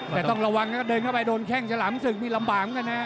แต่ต้องระวังนะครับเดินเข้าไปโดนแข้งฉลามศึกนี่ลำบากเหมือนกันนะ